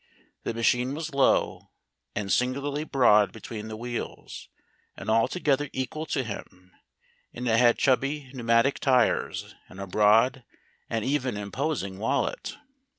The machine was low, and singularly broad between the wheels, and altogether equal to him, and it had chubby pneumatic tires and a broad and even imposing wallet.